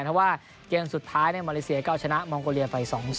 เพราะว่าเกมสุดท้ายมาเลเซียก็เอาชนะมองโกเลียไป๒๐